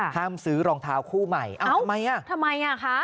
ห้ามซื้อรองเท้าคู่ใหม่เอ้าทำไมอ่ะ